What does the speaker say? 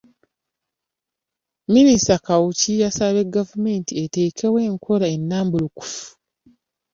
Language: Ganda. Minisita Kawuki yasabye gavumenti eteekewo enkola ennambulukufu